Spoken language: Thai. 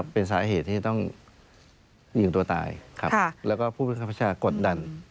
เป็นสาเหตุที่ต้องยิงตัวตายแล้วก็ผู้พิคับชาติกดดัน